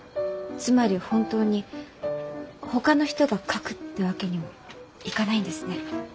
つまり本当にほかの人が描くってわけにもいかないんですね。